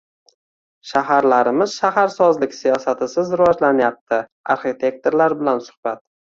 “Shaharlarimiz shaharsozlik siyosatisiz rivojlanyapti” - arxitektorlar bilan suhbat